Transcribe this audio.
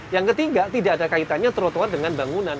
yang ketiga tidak ada kaitannya trotoar dengan bangunan